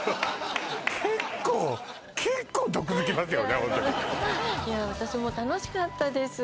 ホントにいや私も楽しかったです